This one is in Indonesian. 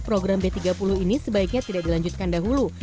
program b tiga puluh ini sebaiknya tidak dilanjutkan dahulu